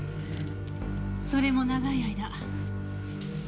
それも長い間。